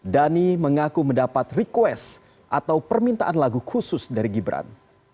dhani mengaku mendapat request atau permintaan lagu khusus dari gibran